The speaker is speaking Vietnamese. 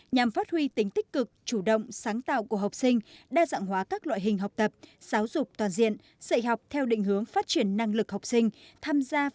nhằm phát huy tính tích cực chủ động sáng tạo của học sinh đa dạng hóa các loại hình học tập giáo dục toàn diện dạy học theo định hướng phát triển năng lực học sinh